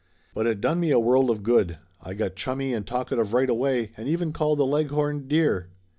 But it done me a world of good. I got chummy and talkative right away and even called the Leghorn, dear.